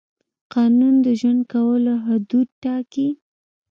قانون د ژوند کولو حدود ټاکي.